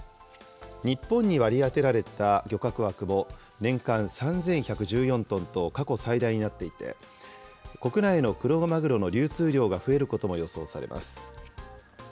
日本に割り当てられた漁獲枠も、年間３１１４トンと過去最大になっていて、国内のクロマグロの流通量が増えることも予想されます。